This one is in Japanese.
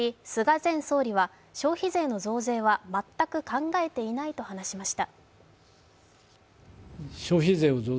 前総理は消費税の増税は全く考えていないと話しました。